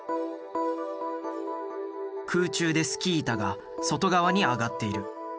空中でスキー板が外側に上がっている。